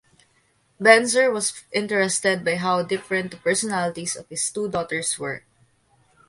Benzer was interested by how different the personalities of his two daughters were.